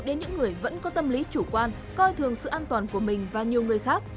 đến những người vẫn có tâm lý chủ quan coi thường sự an toàn của mình và nhiều người khác